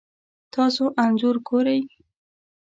تاسو انځور ګورئ